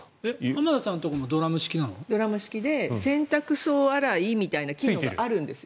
浜田さんのところもドラム式なの？ドラム式で洗濯槽洗いみたいな機能があるんです。